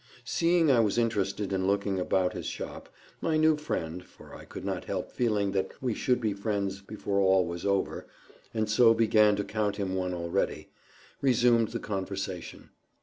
Seeing I was interested in looking about his shop, my new friend—for I could not help feeling that we should be friends before all was over, and so began to count him one already—resumed the conversation.